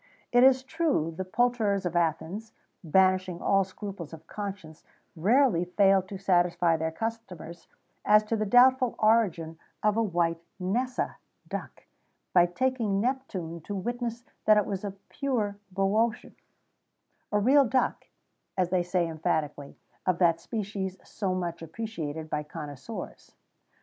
It is true the poulterers of Athens, banishing all scruples of conscience, rarely failed to satisfy their customers as to the doubtful origin of a white nêssa (duck), by taking Neptune to witness that it was a pure Bœotian, a real duck, as they said emphatically, of that species so much appreciated by connoisseurs.